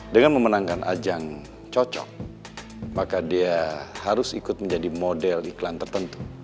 dengan memenangkan ajang cocok maka dia harus ikut menjadi model iklan tertentu